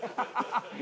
何？